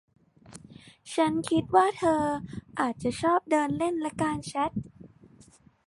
ฉันคิดว่าเธออาจจะชอบเดินเล่นและการแชท